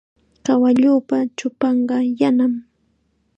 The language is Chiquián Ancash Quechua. Kawalluupa chupanqa yanam.